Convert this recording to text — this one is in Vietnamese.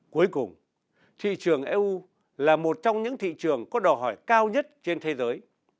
cuối cùng thị trường eu là một trong những thị trường có đòi hỏi cao nhất trên thế giới